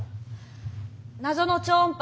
謎の超音波